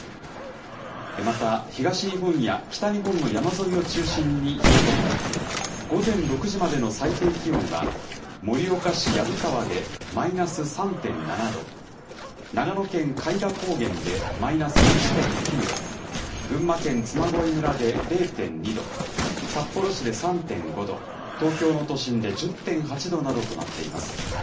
また、東日本や北日本の山沿いを中心に冷え込み、午前６時までの最低気温は、盛岡市薮川でマイナス３．７度、長野県開田高原でマイナス１．９度、群馬県嬬恋村で０．２度、札幌市で３．５度、東京の都心で１０．８度などとなっています。